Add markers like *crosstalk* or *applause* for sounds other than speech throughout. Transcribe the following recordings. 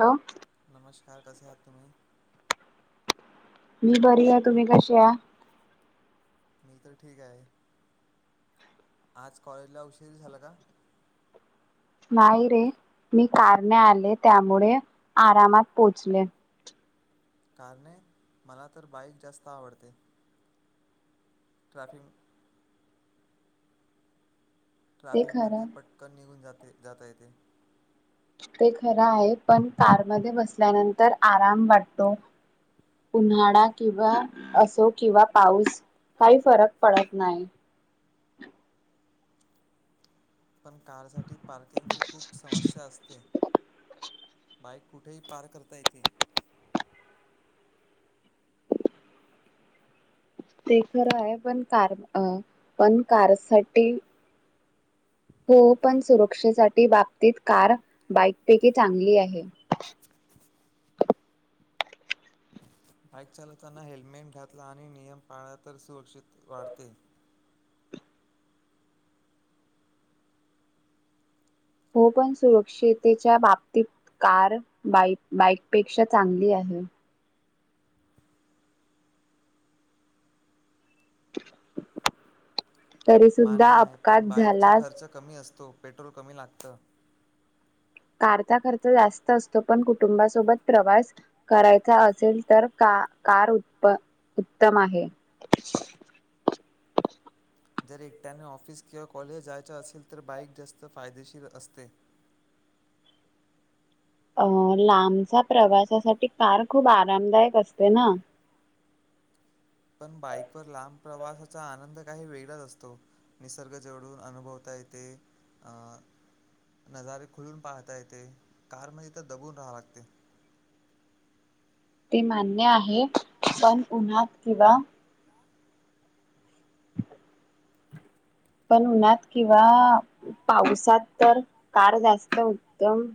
Hello! नमस्कार! कसे आहात तुम्ही? मी बरी आहे, तुम्ही कसे आहात? मी तर ठीक आहे आज कॉलेजला उशीर झाला का? नाही रे, मी कारने आले त्यामुळे आरामात पोहोचले. कार ने मला तर बाईक जास्त आवडते. ट्रॅफिक ते खरं ट्रॅफिकमध्ये पटकन निघून जाते जाता येते. ते खरं आहे पण कारमध्ये बसल्यानंतर आराम वाटतो. उन्हाळा किंवा असो किंवा पाऊस काही फरक पडत नाही. पण कारसाठी पार्किंगची खूप समस्या असते. बाईक कुठेही पार्क करता येते. ते खरं आहे पण कार पण कारसाठी. हो पण सुरक्षेसाठी बाबतीत कार बाईकपैकी चांगली आहे. बाईक चालताना हेल्मेट घातला आणि नियम पाळला तर सुरक्षित वाढते. हो पण सुरक्षितच्या बाबतीत कार बाई बाईकपेक्षा चांगली आहे. तरी सुुद्धा मान्य आहे पण अपघात बाईकचा झालाच खर्च कमी असतो पेट्रोल कमी लागत. कारचा खर्च जास्त असतो पण कुटुंबासोबत प्रवास करायचा असेल तर का कार उत् उत्तम आहे. जर एकट्याने ऑफिस किंवा कॉलेज जायच असेल तर बाईक जास्त फायदेशीर असते. अ लांबचा प्रवासासाठी कार खूप आरामदायक असते ना. पण बाइकवर लांब प्रवासाचा आनंद काही वेगळाच असतो. निसर्ग जवळून अनुभवता येते अ नजारे खुलून पाहता येते कारमध्ये तर दबून राहाव लागते. ते मान्य आहे पण उन्हात किंवा पण उन्हात किंवा पावसात तर कार जास्त उत्तम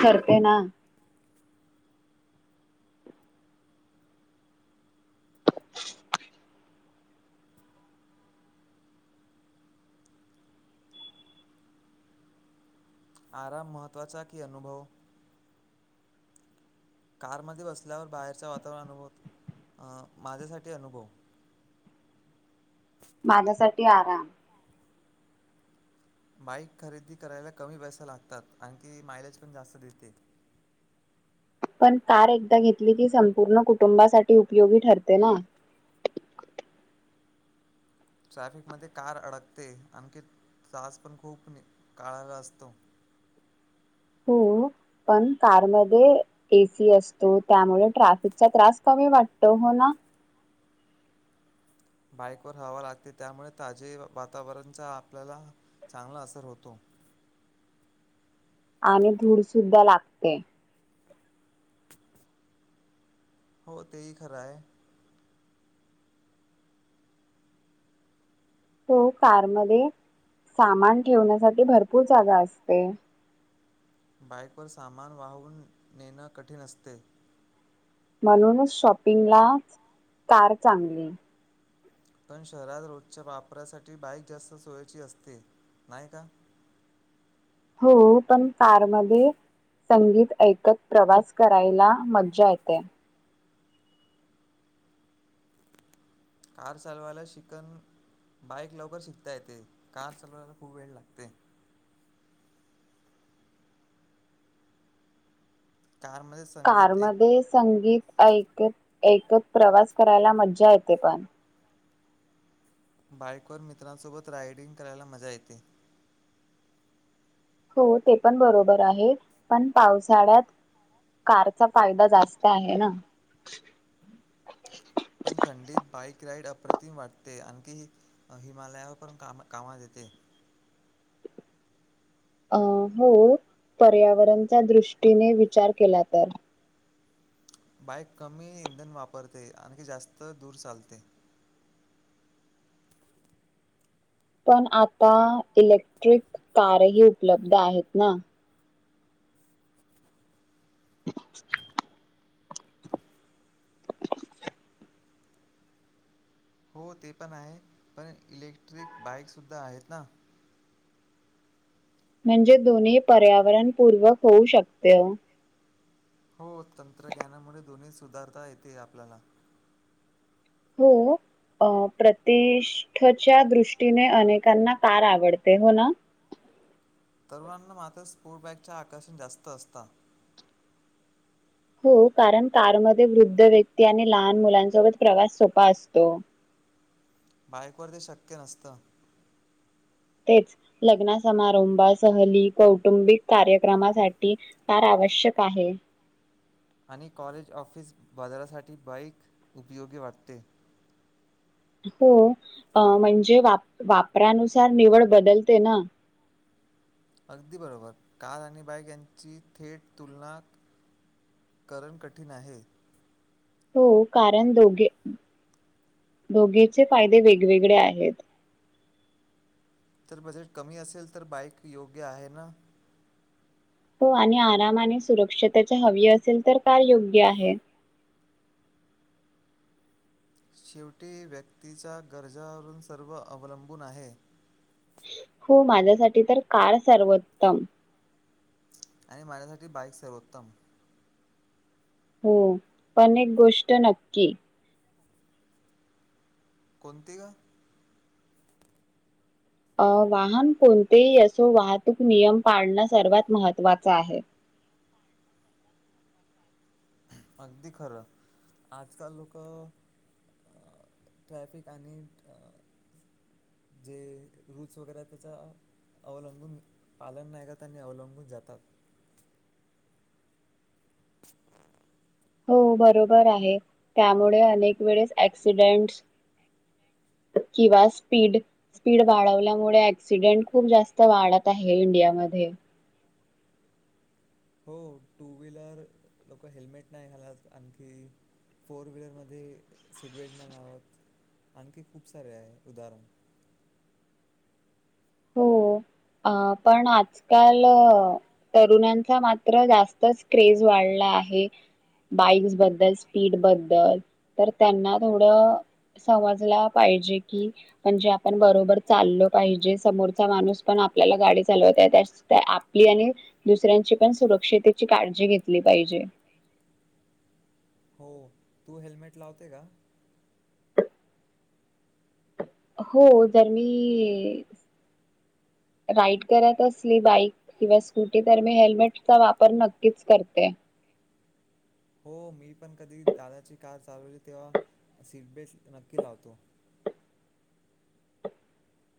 ठरते ना! आराम महत्त्वाचा की अनुभव कारमध्ये बसल्यावर बाहेरच्या वातावरण अनुभव अ माझ्यासाठी अनुभव माझ्यासाठी आराम बाईक खरेदी करायला कमी पैसा लागतात, आणखी मायलेज पण जास्त देते. पण कार एकदा घेतली की संपूर्ण कुटुंबासाठी उपयोगी ठरते ना. ट्रॅफिकमध्य कार अडकते आणखी त्रास पण खूप काळाला असतो. हो पण कारमध्ये एसी असतो त्यामुळे ट्राफिकचा त्रास कमी वाटतो हो ना बाईकवर हवा लागते त्यामुळे ताजे वातावरणचा आपल्याला चांगला असर होतो. आणि धूर सुुद्धा लागते. हो तेही खरं आहे. तो कारमध्ये सामान ठेवण्यासाठी भरपूर जागा असते. बाईकवर सामान वाहून नेणं कठीण असते. म्हणूनच शॉपिंगला कार चांगली. पण शहरात रोजच्या वापरासाठी बाईक जास्त सोयची असते नाही का. हो पण कारमध्ये संगीत ऐकत प्रवास करायला मज्जा येते. कार चालवायला शिकन बाईक लवकर शिकता येते कार चालवायला खूप वेळ लागते. कारमध्येच कार मध्ये संगीत ऐकत ऐकत प्रवास करायला मज्जा येते पण. बाइकवर मित्रांसोबत रायडिंग करायला मजा येते. हो ते पण बरोबर आहे पण पावसाळ्यात कारचा फायदा जास्त आहे ना. पण थंडीत बाईक राइड अप्रतिम वाटते, आणखी हिमालया *unintelligible* कामात येते. अ हो पर्यावरणच्या दृष्टीने विचार केला तर. बाईक कमी इंधन वापरते, आणखी जास्त दूर चालते. पण आता इलेक्ट्रिक कारही उपलब्ध आहेत ना? *unintelligible* हो ते पण आहे, पण इलेक्ट्रिक बाईकसुद्धा आहेत ना. म्हणजे दोन्ही पर्यावरणपूर्वक होऊ शकते. हो तंत्रज्ञानामुळे दोन्ही सुधारता येते आपल्याला. हो. अ प्रतिष्ठेच्या दृष्टीने अनेकांना कार आवडते. हो ना? तरुणांना मात्र स्पोर्ट बाईकचे आकर्षण जास्त असतं. हो कारण कारमध्ये वृद्ध व्यक्ती आणि लहान मुलांसोबत प्रवास सोपा असतो. बाईकवर ते शक्य नसतं. तेच लग्ना समारंभ, सहली, कौटुंबिक कार्यक्रमासाठी कार आवश्यक आहे. आणि कॉलेज, ऑफिस, बाजारासाठी बाईक उपयोगी वाटते. हो अ म्हणजे वा वापरानुसार निवड बदलते ना? अगदी बरोबर कार आणि बाईक यांची थेट तुलना करण कठीण आहे. हो कारण दोघे दोघीचे फायदे वेगवेगळे आहेत. तर बजेट कमी असेल तर बाईक योग्य आहे ना? हो आणि आराम आणि सुरक्षतेची हवी असेल तर कार योग्य आहे. शेवटी व्यक्तीच्या गरजावरून सर्व अवलंबून आहे. हो माझ्यासाठी तर कार सर्वोत्तम. आणि माझ्यासाठी बाईक सर्वोत्तम. हो पण एक गोष्ट नक्की कोणती ग? अ वाहन कोणतेही असो, वाहतूक नियम पाळणं सर्वात महत्वाचं आहे. अगदी खरं, आजकाल लोकं ट्रॅफिक आणि जे रूल्स वगैरे आहे त्याच अवलंबून पालन नाही करत आणि अवलंबून जातात. *unintelligible* हो बरोबर आहे त्यामुळे अनेक वेळेस एक्सीडेंट्स किंवा स्पीड स्पीड वाढवल्यामुळे ऍक्सिडेंट खूप जास्त वाढत आहे इंडियामध्ये. हो टू व्हीलर लोकं हेल्मेट नाही घालत आणखी फोर व्हीलरमध्ये सीटबेल्ट नाही लावत आणखी खूप सारे आहे उदाहरण हो अ पण आजकाल तरुणांचा मात्र जास्तच क्रेज वाढला आहे. बाईक्स बद्दल स्पीड बद्दल तर त्यांना थोडं समजला पाहिजे की म्हणजे आपण बरोबर चाललो पाहिजे समोरचा माणूस पण आपल्याला गाडी चालवत आहे त्यासाठी आपली आणि दुसऱ्यांची पण सुरक्षितेची काळजी घेतली पाहिजे. हो, तू हेल्मेट लावते का? हो जर मी राईड करत असली बाईक किंवा स्कूटी तर मी हेल्मेटचा वापर नक्कीच करते. हो मी पण कधी दादाची कार चालवली तेव्हा, सीटबेल्ट नक्की लावतो.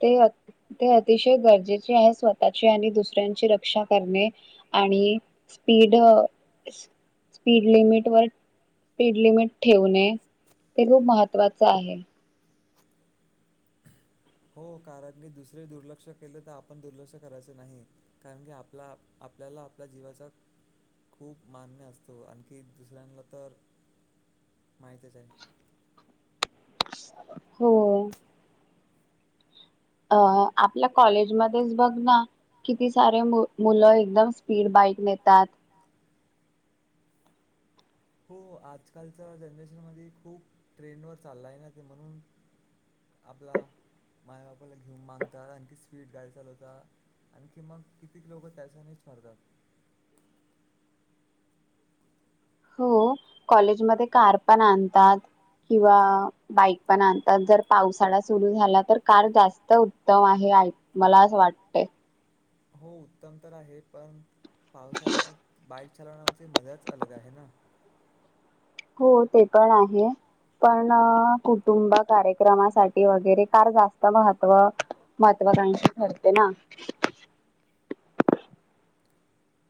ते अति ते अतिशय गरजेचे आहे स्वतःची आणि दुसऱ्यांची रक्षा करणे. आणि स्पीड अं स्पीड लिमिट वर स्पीड लिमिटं ठेवणे हे खूप महत्त्वाचं आहे. हो कारण की दुसरे दुर्लक्ष केले तर, आपण दुर्लक्ष करायचे नाही. कारण की आपला आपल्याला आपल्या जीवाचा खूप मान्य असतो, आणखी दुसऱ्यांना तर माहितच आहे. हो, अ आपल्या कॉलेजमध्येचं बघ ना किती सारे मु मुलं एकदम स्पीड बाईक नेतात. हो आजकालच्या जनरेशनमध्ये खूप ट्रेंडवर चाललायं ना ते म्हणून आपला मायबापाला घेऊन मागतात आणखी स्वीट गाय चालवता. आणखी मग कितीक लोकं त्याच्यानेच मरतात. हो कॉलेजमध्ये कार पण आणतात किंवा बाईक पण आणतात जर पावसाळा सुरू झाला तर, कार जास्त उत्तम आहे. मला असं वाट हो उत्तम तर आहे, पण पावसाळ्यात बाईक चालावण्याची मजाच अलग आहे ना. हो ते पण आहे. पण अं कुटुंब कार्यक्रमासाठी वगैरे कार जास्त महत्व महत्त्वाकांक्षी ठरते ना.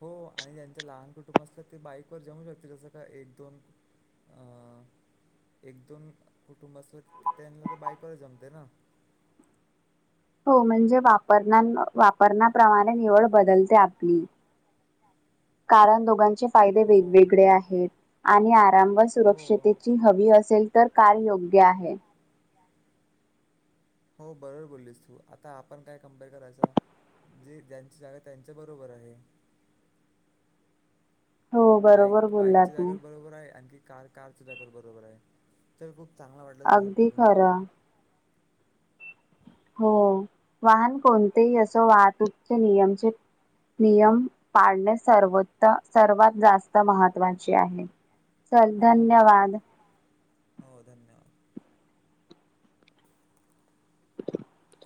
हो आणि त्यांच्या लहान कुटुंब असतात ते, बाईक वर जमू शकतील जसं का एक, दोन अ एक, दोन कुटुंब असलं कि त्यांनला त बाईकवर जमते ना हो म्हणजे वापर वापरण्याप्रमाणे निवड बदलते आपली. कारण दोघांचे फायदे हो वेगवेगळे आहेत,, आणि आरामवर हो सुरक्षित ची हवी असेल तर कार योग्य आहे. हो बरोबर बोललीस तू, आता आपण काय कम्पेअर करायचा? जे ज्यांचे एहे त्यांच्भे बरोबर आहे. हो बाईक बरोबर बोलला बाइकच्या तू जागेवर बरोबर आहे, आणखी कार कारच्या जागेवर बरोबर आहे. तर खूप चांगला वाटलं तुझ्या सोबत अगदी बोलून. खरं हो वाहन कोणतेही असो, वाहतूकचे नियमचे नियम पाळणे सर्वात जास्त महत्त्वाचे आहे.. चल हो, धन्यवाद हो, हो धन्यवाद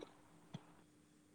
*inaudible*